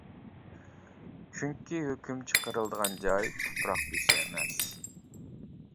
چۈنكى، ھۆكۈم چىقىرىلىدىغان جاي تۇپراق بېشى ئەمەس.